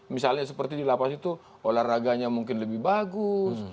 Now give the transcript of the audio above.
misalnya seperti di lapas itu olahraganya mungkin lebih bagus